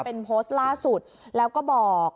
เป็นโพสต์ล่าสุดแล้วก็บอก